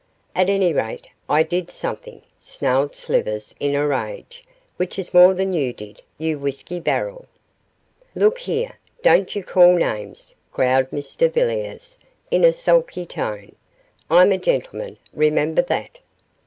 'At any rate, I did something,' snarled Slivers, in a rage, 'which is more than you did, you whisky barrel.' 'Look here, don't you call names,' growled Mr Villiers, in a sulky tone. 'I'm a gentleman, remember that.